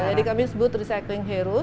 jadi kami sebut recycling hero